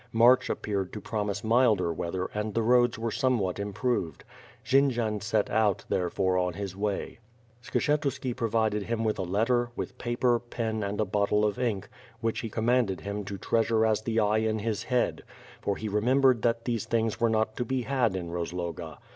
March appeared to promise milder weather and the roads were somewhat improved. Jendzian set out, therefore, on his way. Skshetuski provided him with a letter, with paper, pen, and a bottle of ink, which he com manded him to treasure as the eye in his head; for he re membered that these things were not to be had in Rozloga.